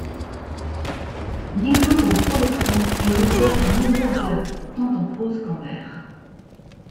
Nicandre de Colophon est l'auteur de nombreuses œuvres, tant en prose qu'en vers.